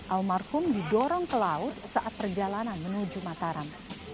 almarhum didorong ke laut saat perjalanan menuju mataram